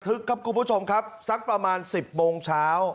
ครับคุณผู้ชมครับสักประมาณ๑๐โมงเช้า